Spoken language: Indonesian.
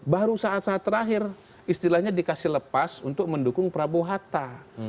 baru saat saat terakhir istilahnya dikasih lepas untuk mendukung prabowo hatta